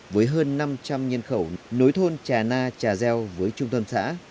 với hơn năm triệu đồng tiền